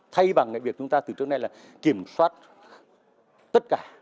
thay bằng cái việc chúng ta từ trước nay là kiểm soát tất cả